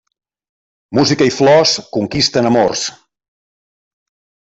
Música i flors conquisten amors.